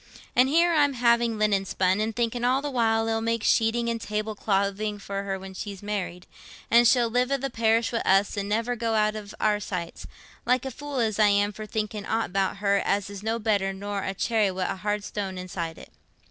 An' here I'm having linen spun, an' thinking all the while it'll make sheeting and table clothing for her when she's married, an' she'll live i' the parish wi' us, and never go out of our sights—like a fool as I am for thinking aught about her, as is no better nor a cherry wi' a hard stone inside it."